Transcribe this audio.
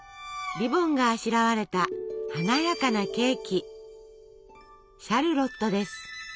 リボンがあしらわれた華やかなケーキ。